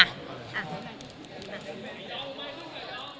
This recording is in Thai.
อ่า